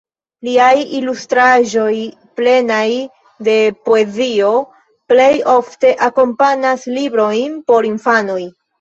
Liaj ilustraĵoj, plenaj de poezio, plej ofte akompanas librojn por infanoj.